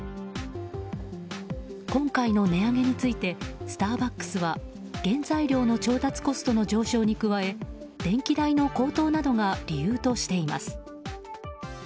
今回の値上げについてスターバックスは原材料の調達コストの上昇に加え電気代の高騰などが理由としています。